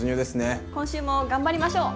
今週も頑張りましょう！